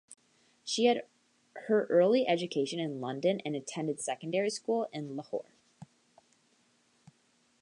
She had her early education in London and attended secondary school in Lahore.